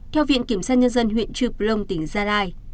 theo viện kiểm soát nhân dân huyện trịu plông tỉnh gia lai